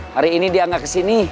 hari ini dia nggak kesini